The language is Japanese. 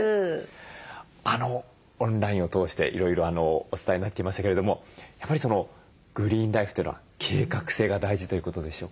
オンラインを通していろいろお伝えになっていましたけれどもやっぱりグリーンライフというのは計画性が大事ということでしょうか？